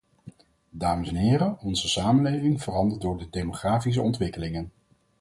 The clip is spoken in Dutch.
Dames en heren, onze samenleving verandert door de demografische ontwikkelingen.